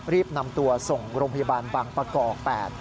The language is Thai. รีบนำตัวส่งโรงพยาบาลบางประกอบ๘